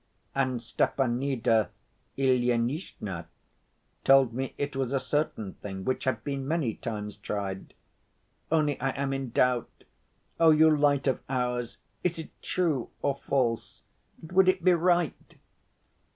And Stepanida Ilyinishna told me it was a certain thing which had been many times tried. Only I am in doubt.... Oh, you light of ours! is it true or false, and would it be right?"